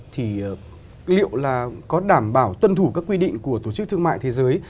thì liệu là có đảm bảo tuân thủ các quy định của tổ chức thương mại thế giới